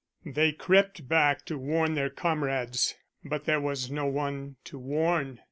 They crept back to warn their comrades, but there was no one to warn.